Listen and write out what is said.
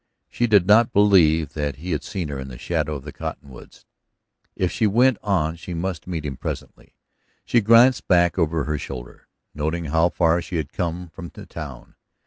She did not believe that he had seen her in the shadow of the cottonwoods. If she went on she must meet him presently. She glanced back over her shoulder, noting how far she had come from the town.